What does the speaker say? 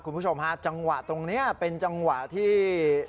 คุณผู้ชมฮะจังหวะตรงนี้เป็นจังหวะที่